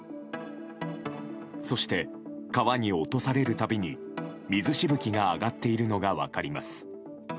そして、川に落とされるたびに水しぶきが上がっているのが分かります。